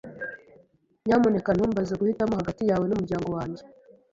Nyamuneka ntumbaze guhitamo hagati yawe n'umuryango wanjye.